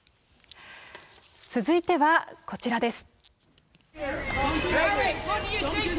続いてはこちらです。